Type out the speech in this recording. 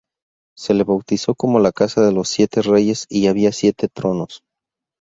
Se le bautizó como la casa de los siete reyes y había siete tronos.